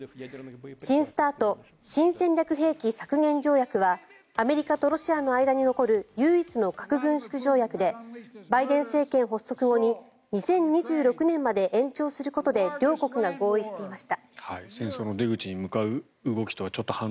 新ＳＴＡＲＴ・新戦略兵器削減条約はアメリカとロシアの間に残る唯一の核軍縮条約でバイデン政権発足後に２０２６年まで延長することで両国が合意していました。